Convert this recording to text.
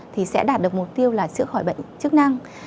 thì sẽ đạt được mục tiêu là chữa khỏi bệnh chức năng